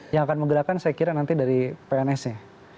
yang akan menggerakkan saya kira nanti dari pns nya